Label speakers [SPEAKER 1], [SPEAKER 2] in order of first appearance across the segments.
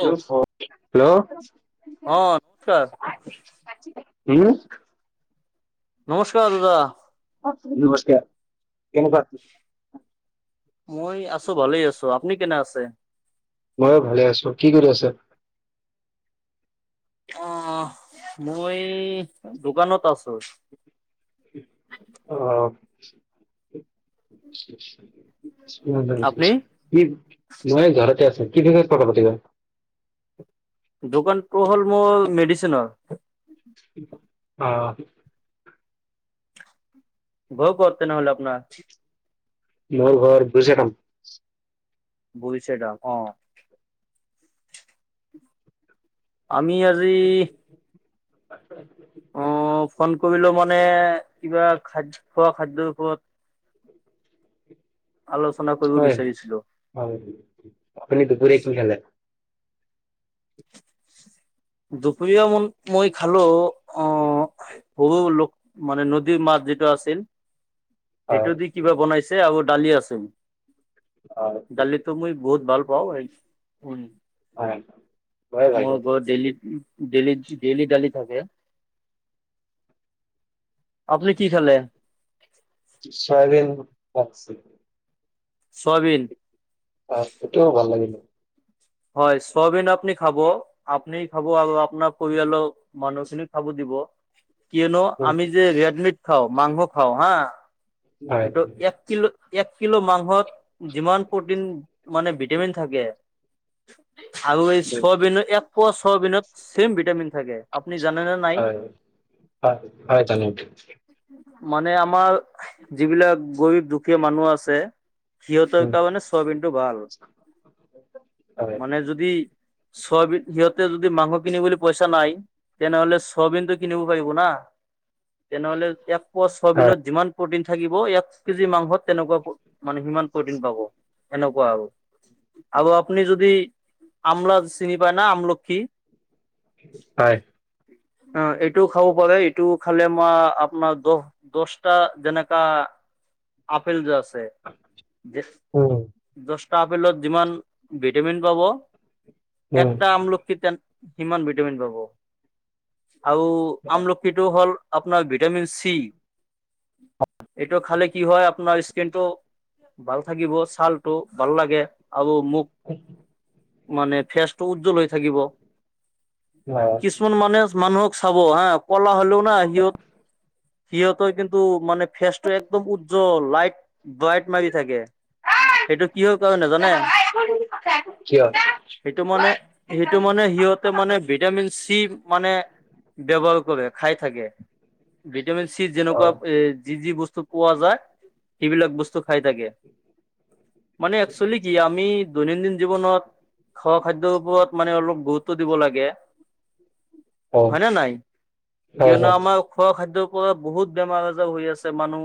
[SPEAKER 1] Hello,
[SPEAKER 2] অ নমস্কাৰ
[SPEAKER 1] হম।
[SPEAKER 2] নমস্কাৰ দাদা।
[SPEAKER 1] [unintelligible] কেনেকুৱা?
[SPEAKER 2] মই আছো, ভালে আছো। আপুনি কেনে আছে?
[SPEAKER 1] ময়ো ভালে আছো। কি কৰি আছে?
[SPEAKER 2] অ, মই দোকানত আছো।
[SPEAKER 1] অ'। [unintelligible]
[SPEAKER 2] আপনি
[SPEAKER 1] কি মই ঘৰতে আছো। কি বিষয়ত কথা পাতিবা?
[SPEAKER 2] দোকানটো হ'ল মোৰ মেডিচেনৰ।
[SPEAKER 1] অ'।
[SPEAKER 2] ঘৰ ক'ত তেনেহ'লে আপনাৰ।
[SPEAKER 1] মোৰ ঘৰ বুইজেকাম।
[SPEAKER 2] বৰিছেগা, অ'। আমি আজি অ
[SPEAKER 1] [unintelligible]
[SPEAKER 2] ফোন কৰিলো মানে কিবা খাদ খোৱা খাদ্যৰ ওপৰত, আলোচনা কৰিব
[SPEAKER 1] হয়
[SPEAKER 2] বিচাৰিছিলো।
[SPEAKER 1] হয়। আপুনি দুপৰীয়া কি খালে?
[SPEAKER 2] দুপৰীয়া ম, মই খালো। অ' বহু লোক, মানে নদীৰ মাছ যিটো আছিল। সেইটো
[SPEAKER 1] অ'
[SPEAKER 2] দি কিবা বনাইছে। আহু দালি আছে।
[SPEAKER 1] অ'
[SPEAKER 2] দালিতো মই বহুত ভাল পাওঁ। উম।
[SPEAKER 1] হয় মইয়ো ভাল
[SPEAKER 2] মোৰ
[SPEAKER 1] পাওঁ
[SPEAKER 2] ঘৰত ডেইলি ডেইলি ডেইলি ডেইলি থাকে। আপুনি কি খালে?
[SPEAKER 1] Soybean [unintelligible]
[SPEAKER 2] soybean?
[SPEAKER 1] সইটোও ভাল লাগিলে।
[SPEAKER 2] হয় চয়াবিন আপুনি খাব আপুনি খাব আৰু আপোনাৰ পৰিয়ালৰ মানুহখিনিক খাব দিব। কিয়নো
[SPEAKER 1] উম,
[SPEAKER 2] আমি যে ৰেডমিট খাওঁ মাংস খাওঁ হা
[SPEAKER 1] হয়
[SPEAKER 2] এইটো এক কিলো এক কিলো মাংসত যিমান প্ৰটিন মানে ভিটামিন থাকে [inaudible] আৰু এই
[SPEAKER 1] হয়
[SPEAKER 2] ছয়বিনত এক পোৱা ছয়বিনত ছেম ভিটামিন থাকে, আপুনি জানেনে নাই?
[SPEAKER 1] হয় হয় জানো।
[SPEAKER 2] মানে আমাৰ যিবিলাক গৰীব দুখীয়া মানুহ আছে সিহঁতৰ কাৰণে চয়াবিনটো ভাল।
[SPEAKER 1] হয়
[SPEAKER 2] মানে যদি চয়াবি সিহঁতে যদি মাংস কিনিবলৈ পইচা নাই তেনেহ'লে চয়াবিনতটো কিনিব পাৰিব না, তেনেহ'লে এক পোৱা
[SPEAKER 1] হয়
[SPEAKER 2] চয়াবিনত যিমান প্ৰটিন থাকিব এক কেজি মাংসত তেনেকুৱা মানে সিমান প্ৰটিন পাব, এনেকুৱা আৰু। আৰু আপনি য যদি আমলা চিনি পায় ন' আমলক্ষী
[SPEAKER 1] হয়
[SPEAKER 2] অ', এইটোও খাব পাৰে এইটোও খালে মমাৰ আপোনাৰ দহ দশটা যেনেকা আপেল যে আছে
[SPEAKER 1] উম
[SPEAKER 2] দশটা আপেলত যিমান ডেমিন পাব একটা
[SPEAKER 1] উম
[SPEAKER 2] আমলখিত সিমান ভিটামিন পাব, আৰু আমলখি এইটো হ'ল আপোনাৰ ভিটামিন চি। এইটো খালে কি হয় আপোনাৰ স্কিনটো ভাল থাকিব ছালটো ভাল লাগে আৰু মোক
[SPEAKER 1] অ [unintelligible]
[SPEAKER 2] মানে ফেচ টো উজ্জ্বল হৈ থাকিব।
[SPEAKER 1] অ'।
[SPEAKER 2] কিছুমান মানে মানুহক চাব হা কলা হ'লেও না সিহঁত সিহঁত কিন্তু মানে ফেচটো একদম উজ্জ্বল লাইট লাইট মাৰি থাকে, সেইটো কিহৰ কাৰণে জানে?
[SPEAKER 1] কিয়
[SPEAKER 2] সেইটো মানে সেইটো মানে সিহঁত মানে ভিটামিন চি মানে ব্যৱহাৰ কৰে খাই থাকে। ভিটামিন চি
[SPEAKER 1] অ
[SPEAKER 2] যেনেকুৱা এ যি যি বস্তু পোৱা যায় সেইবিলাক বস্তু খাই থাকে। মানে একচুৱেলি কি আমি দৈনন্দিন জীৱনত খোৱা খাদ্যৰ ওপৰত মানে অলপ গুৰুত্ব দিব লাগে।
[SPEAKER 1] অ
[SPEAKER 2] হয় নে নাই,
[SPEAKER 1] হয়
[SPEAKER 2] কিয়নো
[SPEAKER 1] হয়
[SPEAKER 2] আমাৰ খোৱা খাদ্যৰ পৰা বহুত বেমাৰ আজাৰ হৈ আছে মানুহ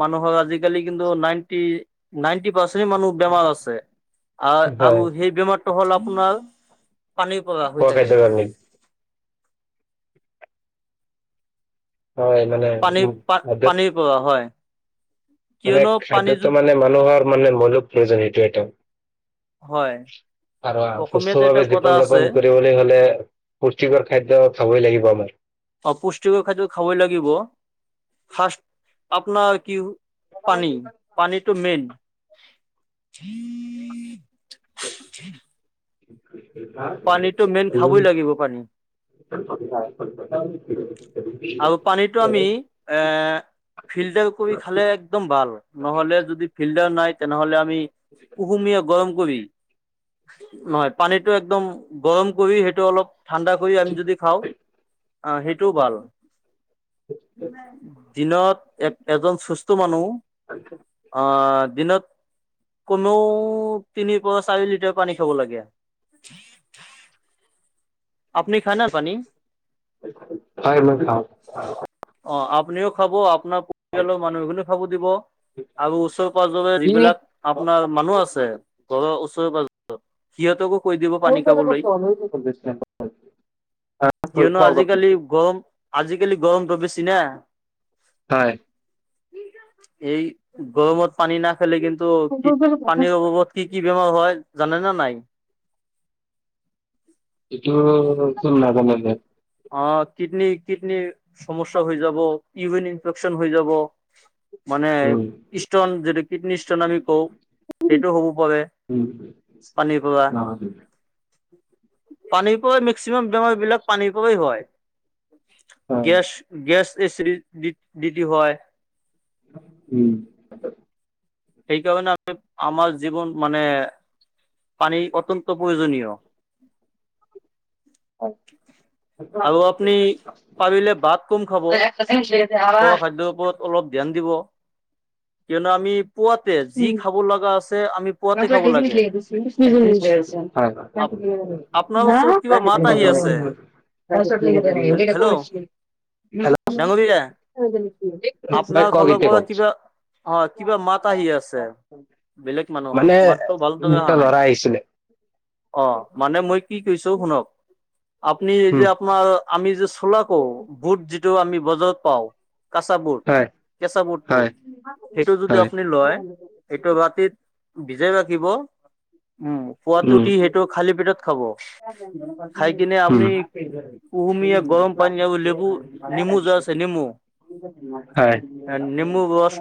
[SPEAKER 2] মানুহৰ আজিকালি কিন্তু নাইনটি-নাইনটি পাৰ্চ মানুহ বেমাৰ আছে, আহ আৰু
[SPEAKER 1] হয়
[SPEAKER 2] সেই বেমাৰটো হ'ল আপোনাৰ পানী পৰা হৈ
[SPEAKER 1] খোৱা
[SPEAKER 2] থাকে।
[SPEAKER 1] খাদ্যৰ কাৰণে হয় মানে
[SPEAKER 2] পানী
[SPEAKER 1] উম খাদ্যত
[SPEAKER 2] প-পানীৰ পৰা, হয়।
[SPEAKER 1] মানে
[SPEAKER 2] কিয়নো পানী
[SPEAKER 1] খাদ্যটো
[SPEAKER 2] যত
[SPEAKER 1] মানে মানুহৰ মানে মৌলিক প্ৰয়োজন সেইটো এটা
[SPEAKER 2] হয়।
[SPEAKER 1] আৰু
[SPEAKER 2] অসমীয়াত এটা
[SPEAKER 1] সুস্থভাৱে
[SPEAKER 2] কথা
[SPEAKER 1] জীৱন
[SPEAKER 2] আছে
[SPEAKER 1] যাপন কৰিবলৈ হ'লে স্পুষ্টিকৰ খাদ্য খাবই লাগিব আমাৰ।
[SPEAKER 2] অ', পুষ্টিকৰ খাদ্য খাবই লাগিব, ফাষ্ট আপোনাৰ কি পানী, পানীটো মেইন। পানীটো মেইন খাবই লাগিব পানী
[SPEAKER 1] [inaudible] [inaudible]
[SPEAKER 2] আৰু পানীটো আমি, এ ফিল্টাৰ কৰি খালে একদম ভাল। নহ'লে যদি ফিল্টাৰ নাই তেনে হ'লে আমি কুহুমীয়া গৰম কৰি। নহয় পানীতটো একদম গৰম কৰি। সেইটো অলপ ঠাণ্ডা কৰি আমি যদি খাওঁ অ' সেইটোও ভাল। দিনত এক এজন চুস্থ মানুহ।
[SPEAKER 1] [unintelligible]
[SPEAKER 2] অ' দিনত কমেওঁ তিনি পৰা চাৰি লিটাৰ পানী খাব লাগে। আপুনি খানা পানী।
[SPEAKER 1] হয় মই খাওঁ।
[SPEAKER 2] অ' আপুনিও খাব আপোনাৰ পৰিয়ালৰ মানুহ [unintelligible] খাব দিব, আৰু ওচৰে পাজৰে
[SPEAKER 1] কি হয়
[SPEAKER 2] যিবিলাক আপোনাৰ মানুহ আছে, ঘৰৰ ওচৰে পাজৰে সিহঁতকো কৈ দিব। পানী খাবলৈ
[SPEAKER 1] [unintelligible]
[SPEAKER 2] কিয়নো
[SPEAKER 1] কওক আপুনি।
[SPEAKER 2] আজিকালি গৰম, আজিকালি গৰমটো বেছি না।
[SPEAKER 1] হয়।
[SPEAKER 2] এই গৰমত পানী নাখালে। কিন্তু, কি পানীৰ অভাবত। কি কি বেমাৰ হয় জানে নে নাই।
[SPEAKER 1] এইটো তোৰ মই নাজানো দিয়ক।
[SPEAKER 2] অ' কিডনী কিডনী সমস্যা হৈ যাব। ইউৰিন ইনফেকচন হৈ যাব। মানে,
[SPEAKER 1] উম
[SPEAKER 2] ইষ্টন যিটো কিডনী ষ্টোন আমি কওঁ, সেইটো হ'ব পাৰে। পানীৰ পৰা
[SPEAKER 1] [unintelligible]
[SPEAKER 2] পানীৰ পৰাই মেক্সিমাম বেমাৰ বিলাক পানীৰ পৰাই হয়। গেছ গেছ এচি দি দি দিতি হয়।
[SPEAKER 1] উম।
[SPEAKER 2] সেইকাৰণে আমি আমাৰ জীৱন মানে পানী অত্যন্ত প্ৰয়োজনীয়।
[SPEAKER 1] হয়।
[SPEAKER 2] আৰু আপুনি পাৰিলে ভাত কম খাব, খোৱা খাদ্যৰ ওপৰত অলপ ধ্যান দিব, কিয়নো আমি পুৱাতে যি খাব লগা আছে আমি
[SPEAKER 1] [unintelligible] [unintelligible]
[SPEAKER 2] পুৱাতে খাব লাগে আপোনাৰ ওচৰত কিবা মাত আহি আছে হেল্ল' ডাঙৰীয়া
[SPEAKER 1] হেল্ল'
[SPEAKER 2] আপোনাৰ
[SPEAKER 1] ক'ক
[SPEAKER 2] ফালৰ
[SPEAKER 1] এতিয়া
[SPEAKER 2] পৰা
[SPEAKER 1] ক'ক।
[SPEAKER 2] কিবা অ' কিবা মাত আহি আছে, বেলেগ মানুহৰ
[SPEAKER 1] মানে
[SPEAKER 2] মাতটো ভালদৰে
[SPEAKER 1] দুটা
[SPEAKER 2] অহা নাই।
[SPEAKER 1] ল'ৰা আহিছিলে
[SPEAKER 2] অ' মানে মই কি কৈছো শুনক, আপুনি যে
[SPEAKER 1] উম
[SPEAKER 2] আপোনাৰ আমি যে চোলা কওঁ, বুট যিটো আমি বজাৰত পাওঁ। কাঁচা বুট,
[SPEAKER 1] হয়
[SPEAKER 2] কেঁচা বুটটো,
[SPEAKER 1] হয়
[SPEAKER 2] সেইটো যদি
[SPEAKER 1] হয়
[SPEAKER 2] আপ লৈ এইটো ৰাতিত ভিজাই ৰাখিব, উম। পুৱাতে
[SPEAKER 1] উম
[SPEAKER 2] উঠি সেইটো খালী পেটত খাব, খাই কিনে
[SPEAKER 1] উম
[SPEAKER 2] আপুনি
[SPEAKER 1] হয়
[SPEAKER 2] কুহুমীয়া গৰম পানী আৰু লেবু, নেমু যে আছে নেমু।
[SPEAKER 1] হয়।
[SPEAKER 2] নেমু ৰস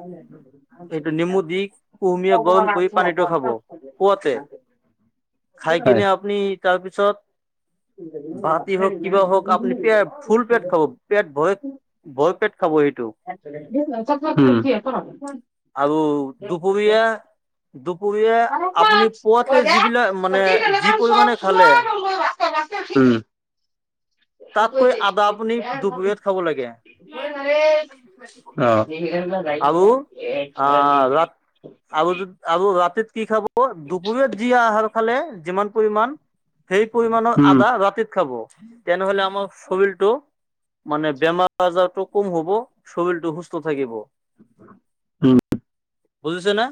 [SPEAKER 2] সেইটো নেমু দি কুহুমীয়া গৰম কৰি পানীটো খাব, পুৱাতে। খাই কিনে আপুনি তাৰপিছত। ভাতি হওক কিবা হওক আপুনি পে ফুল
[SPEAKER 1] [unintelligible]
[SPEAKER 2] পেট খাব পেট ভয়, ভয় পেট খাব সেইটো।
[SPEAKER 1] উম।
[SPEAKER 2] আৰু দুপৰীয়া। দুপৰীয়া আপুনি পুৱাতে যিবিলাক মানে যি পৰিমাণে খালে
[SPEAKER 1] হুম।
[SPEAKER 2] তাতকৈ আদা আপুনি দুপৰীয়াত খাব
[SPEAKER 1] [unintelligible]
[SPEAKER 2] লাগে
[SPEAKER 1] অ'
[SPEAKER 2] আৰু আহ ৰাত
[SPEAKER 1] [unintelligible]
[SPEAKER 2] আৰু য আৰু ৰাতিত কি খাব দুপৰীয়াত যি আহাৰ খালে যিমান পৰিমাণ সেই পৰিমাণৰ
[SPEAKER 1] উম,
[SPEAKER 2] আধা ৰাতিত খাব তেনেহ'লে আমাৰ শৰীলটো মানে বেমাৰ আজাৰটো কম হ'ব, শৰীৰটো সুস্থ থাকিব।
[SPEAKER 1] হুম।
[SPEAKER 2] বুজিছেনে?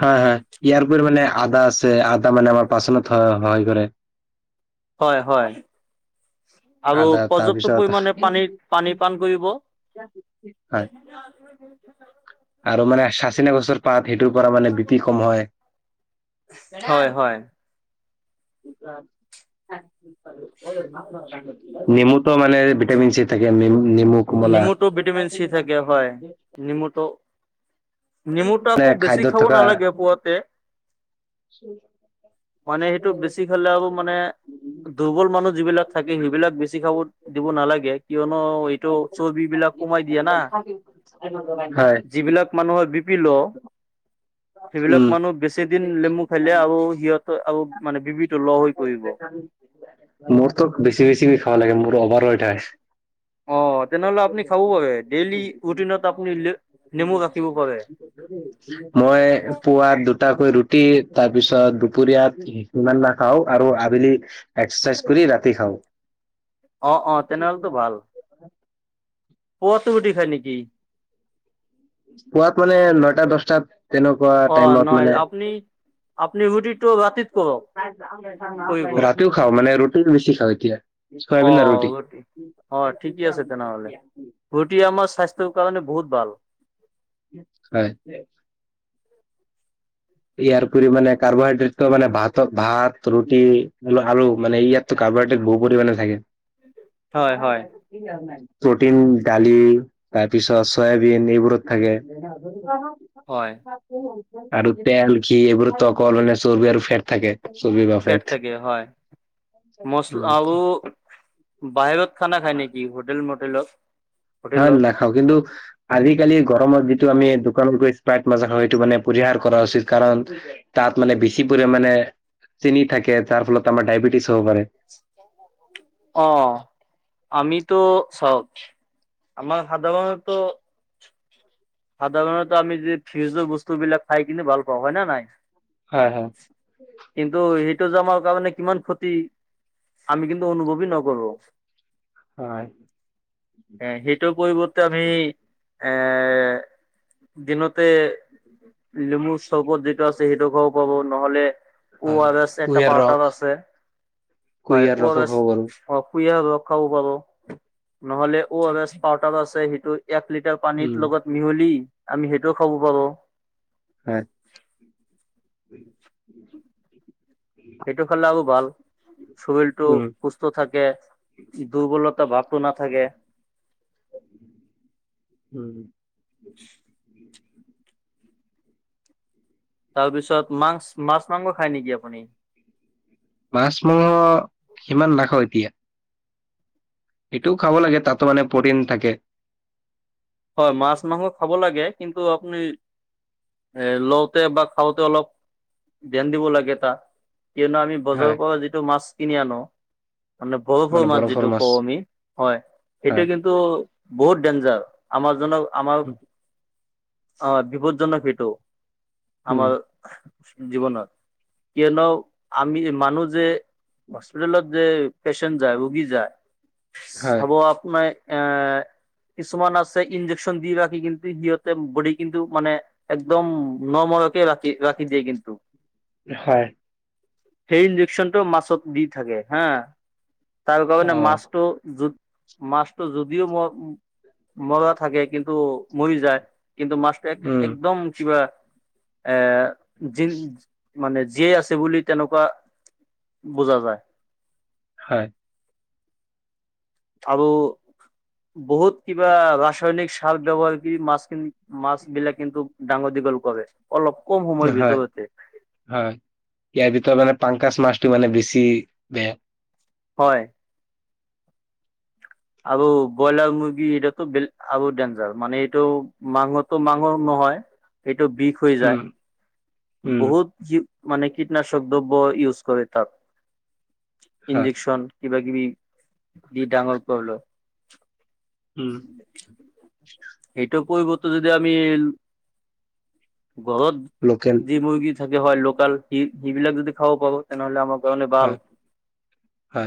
[SPEAKER 1] হয় হয়। ইয়াৰ পৰিমানে মানে আদা আছে আদা মানে আমাৰ পাচনত সহায় কৰে।
[SPEAKER 2] হয় হয়। আৰু
[SPEAKER 1] আদা
[SPEAKER 2] পৰ্যাপ্ত
[SPEAKER 1] তাৰপিছত
[SPEAKER 2] পৰিমাণে পানী পানী পান কৰিব।
[SPEAKER 1] হয়। আৰু মানে চাজিনা গছৰ পাত সেইটোৰপৰা মানে বিপি কম হয়।
[SPEAKER 2] হয় হয়।
[SPEAKER 1] [unintelligible] নেমুতো মানে ভিটামিন চি থাকে, নেম-নেমু।
[SPEAKER 2] নেমুটো ভিটামিন চি থাকে হয়। নেমুটো নেমুটো
[SPEAKER 1] মানে
[SPEAKER 2] আকৌ বেছি
[SPEAKER 1] খাদ্যত
[SPEAKER 2] খাব
[SPEAKER 1] থকা
[SPEAKER 2] নালাগে পুৱাতে। মানে সেইটো বেছি খালে আৰু মানে দুৰ্বল
[SPEAKER 1] [inaudible]
[SPEAKER 2] মানুহ যিবিলাক থাকে সেইবিলাক বেছি খাব দিব নালাগে কিয়নো এই তো চৰ্বিবিলাক কমাই দিয়ে না।
[SPEAKER 1] হয়।
[SPEAKER 2] যিবিলাক মানুহৰ বিপি ল' সেইবিলাক
[SPEAKER 1] উম,
[SPEAKER 2] মানুহ বেছিদিন নেমু খালে আৰু সিহঁতৰ আৰু মানে বিপিটো ল' হৈ পৰিব।
[SPEAKER 1] মোৰতো বেছি বেছি খাব লাগে, মোৰ অভাৰ ওৱেট হয়।
[SPEAKER 2] অ' তেনেহ'লে আপুনি খাব পাৰে। ডেইলি ৰুটিনত আপুনি নেমু ৰাখিব পাৰে।
[SPEAKER 1] [inaudible] মই পুৱা দুটাকৈ ৰুটি তাৰপিছত দুপৰীয়াত সিমানবাৰ খাওঁ আৰু আবেলি এক্সাৰচাইজ কৰি ৰাতি খাওঁ।
[SPEAKER 2] অ', অ' তেনেহ'লেতো ভাল। পুৱাতো ৰুটী খাই নেকি?
[SPEAKER 1] পোৱাত মানে নটা দহটাত তেনেকুৱা
[SPEAKER 2] অ
[SPEAKER 1] টাইমত
[SPEAKER 2] নহয়
[SPEAKER 1] মানে
[SPEAKER 2] আপুনি আপুনি ৰুটিটো ৰাতিত কৰক কৰিব
[SPEAKER 1] ৰাতিও খাওঁ মানে ৰুটি বেছি খাওঁ এতিয়া। চয়াবিন না ৰুটি।
[SPEAKER 2] অ ঠিকে আছে তেনেহ'লে ৰুটি আমাৰ স্বাস্থ্যৰ কাৰণে বহুত ভাল।
[SPEAKER 1] হয়। ইয়াৰ উপৰি মানে কাৰ্বহাইড্ৰেট মানে ভাতত ভাত ৰুটি আৰু মানে ইয়াত কাৰ্বহাইড্ৰেট বহু পৰিমাণে থাকে।
[SPEAKER 2] হয় হয়
[SPEAKER 1] প্ৰ'টিন ডালি তাৰপিছত চয়াবিন এইবোৰত থাকে। [unintelligible]
[SPEAKER 2] হয়।
[SPEAKER 1] আৰু তেল, ঘি এইবোৰতটো অকল মানে চৰ্বি আৰু ফেট থাকে। চৰ্বি বা
[SPEAKER 2] ফেট থাকে হয়। মচ
[SPEAKER 1] উম
[SPEAKER 2] আলু বাহিৰত খানা খায় নেকি হোটেল মোটেলত?
[SPEAKER 1] নাই
[SPEAKER 2] হোটেলত
[SPEAKER 1] নাখাওঁ কিন্তু আজিকালি গৰমত যিটো আমি দোকানত গৈ স্পাইট মাজা খাওঁ সেইটো মানে পৰিহাৰ কৰা উচিত কাৰণ তাত মানে বেছি পৰিাণে চেনি থাকে যাৰ ফলত আমাৰ ডায়বেটিছ হ'ব পাৰে।
[SPEAKER 2] অ' আমিতো চাওক আমাৰ সাধাৰণতো সাধাৰণতে আমি যে ফিউজৰ বস্তু বিলাক খাই কিিনি ভাল পাওঁ হয় নে নাই
[SPEAKER 1] হয় হয়
[SPEAKER 2] কিন্তু সেইটো যোমাৰ কাৰণে কিমান ক্ষতি আমি কিন্তু অনুভৱ নকৰো
[SPEAKER 1] হয়
[SPEAKER 2] আহ সেইটোৰ পৰিৱৰ্তে আমি এ দিনতে লেমুৰ চৰবত যিটো আছে সেইটো খও পাব নহলে
[SPEAKER 1] হয়
[SPEAKER 2] ভ এটা
[SPEAKER 1] কুঁহিয়াৰ ৰস
[SPEAKER 2] পউাৰ আছে হয়
[SPEAKER 1] কুঁহিয়াৰ
[SPEAKER 2] ভ
[SPEAKER 1] ৰসো খাব পাৰো
[SPEAKER 2] অসুয়া ৰখ খাব পাৰ নহলে অ পাউাৰ আছে সেইটো এক লিটাৰ পানীত
[SPEAKER 1] উম
[SPEAKER 2] লগত মিহলি আমি সেইটোও খাব পাৰো
[SPEAKER 1] হয়
[SPEAKER 2] সেইটো খালে আবু ভাল
[SPEAKER 1] উম
[SPEAKER 2] শবিলটো থাকে দুৰ্বলতা ভাব টো না থাকে
[SPEAKER 1] উম
[SPEAKER 2] তাৰপিছত মাছ মাংস খায় নেকি আপুনি
[SPEAKER 1] মাছ মংস সিমান নাখও এতিয়া এইটোও খাব লাগে তাতো মানে প্ৰটিন থাকে
[SPEAKER 2] হয় মাছ মাংস খাব লাগে কিন্তু আপুনি এ লওঁতে বা খাওঁতে অলপ ধ্যান দিব লাগে তা কিয়নো আমি বজাৰৰ
[SPEAKER 1] হয়
[SPEAKER 2] পৰা যিটো মাছ কিনি আনো মানে ভৰফ মাছ যিটো কওঁ আমি হয়
[SPEAKER 1] হয়
[SPEAKER 2] সেইটো কিন্তু বহুত ডেঞ্জাৰ আমাৰ য আমাৰ
[SPEAKER 1] উম
[SPEAKER 2] আাৰ বিপদ্জনক সেইটো
[SPEAKER 1] উম,
[SPEAKER 2] আমাৰ জীৱনত কিয়নো আমি মানু যে হস্পিতেলত যে পেচেণ্ট যায় ৰোগী যায়
[SPEAKER 1] হয়
[SPEAKER 2] চব আপোনাৰ এ কিছুমান আছে ইন্জেকচন দি ৰাখি কিন্তু সিহঁতে বড কিন্তু মানে একদম নমৰকে ৰাখি ৰাখি দিয়ে কিন্তু
[SPEAKER 1] হয়
[SPEAKER 2] সেই ইঞ্জেকশ্যন টো মাছত দি থাকে হা তাৰ
[SPEAKER 1] অ
[SPEAKER 2] কাৰে মাছটো য মাছটো যদিও মই মৰা থাকে কিন্তু মৰি যায় কিন্তু মাছটো এক
[SPEAKER 1] উম
[SPEAKER 2] একদম কিবা এ য মানে যিয়েই আছে বুলি তেনেকুৱা বুজা যায়
[SPEAKER 1] হয়
[SPEAKER 2] আৰু বহুত কিবা ৰাসায়নিক সাৰ ব্যৱহাৰ কৰি মাছখিনি মাছ বিলাক কিন্তু ডাঙৰ দীঘল কৰে অলপ কম সময়ৰ
[SPEAKER 1] হয়
[SPEAKER 2] ভিতৰতে
[SPEAKER 1] হয় ইয়াৰ ভিতৰত মানে পাংকাচ মাছটো মানে বেছি বেয়া
[SPEAKER 2] হয় আৰু ব্ৰইলাৰ মুৰ্গী এইাতো আৰু ডেঞ্জাৰ মানে এইটো মাংসটো মাংস নহয় এইটো বিষ হৈ যায়
[SPEAKER 1] উম উম
[SPEAKER 2] বহুত মানে কীটনাশক দ্ৰব্য ইউজ কৰে তাত
[SPEAKER 1] হয়
[SPEAKER 2] ইঞ্জেকশন কিবা কিবি দি ডাঙৰ পবল
[SPEAKER 1] ওম
[SPEAKER 2] এইেটো পৰিৱৰ্ত যদি আমি ঘৰত
[SPEAKER 1] লোকেল
[SPEAKER 2] যি মুৰ্গী থাকে হয় লোকাল সি সেই বিিলাক যদি খাব পাৰো তেনেহ'লে আমাৰ কাৰণে
[SPEAKER 1] হয়
[SPEAKER 2] ভাল
[SPEAKER 1] হয়